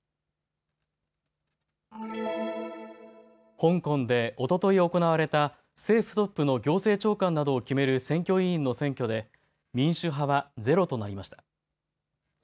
香港でおととい行われた政府トップの行政長官などを決める選挙委員の選挙で民主派はゼロとなりました。